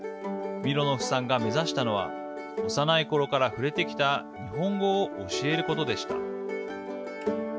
ミロノフさんが目指したのは幼いころから触れてきた日本語を教えることでした。